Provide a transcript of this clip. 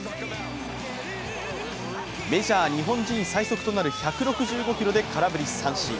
メジャー日本人最速となる１６５キロで空振り三振。